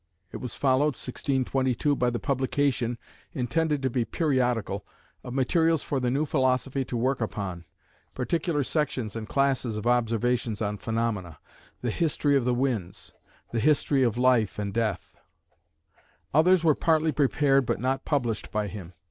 It was followed (1622) by the publication, intended to be periodical, of materials for the new philosophy to work upon, particular sections and classes of observations on phenomena the History of the Winds, the History of Life and Death. Others were partly prepared but not published by him.